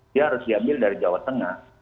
dia harus diambil dari jawa tengah